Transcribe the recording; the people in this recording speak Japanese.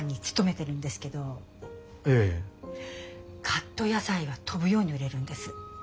カット野菜は飛ぶように売れるんです。